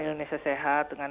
indonesia sehat dengan